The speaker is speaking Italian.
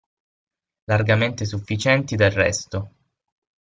Largamente sufficienti del resto.